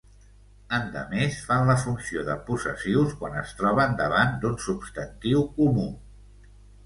Endemés fan la funció de possessius quan es troben davant d'un substantiu comú.